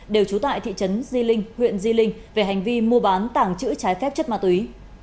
đều trú tại thị trấn di linh huyện di linh về hành vi mua bán tảng chữ trái phép chất ma túy